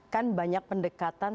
kan banyak pendekatan